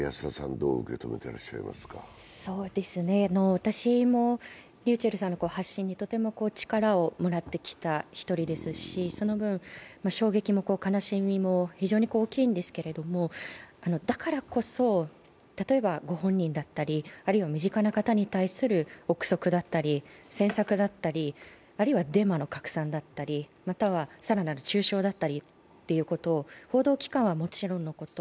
私もｒｙｕｃｈｅｌｌさんの発信にとても力をもらってきた１人ですしその分、衝撃も悲しみも非常に大きいんですけれどもだからこそ、例えばご本人だったりあるいは身近な人に対する臆測だったり、詮索だったりあるいはデマの拡散だったり、または更なる中傷だったりということを報道機関はもちろんのこと